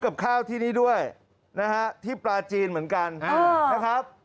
กับข้าวที่นี่ด้วยนะฮะที่ปลาจีนเหมือนกันนะครับ